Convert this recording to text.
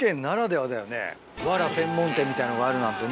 ワラ専門店みたいのがあるなんてね。